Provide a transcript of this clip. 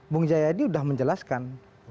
bung jayadi sudah menjelaskan